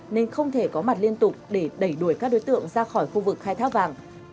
nên không thể có mặt liên tục để đẩy đuổi các đối tượng ra khỏi khu vực khai thác vàng